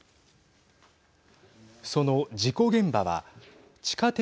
その事故現場は地下鉄